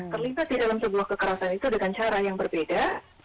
terlibat di dalam sebuah kekerasan itu dengan cara yang berbeda